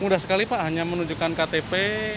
mudah sekali pak hanya menunjukkan ktp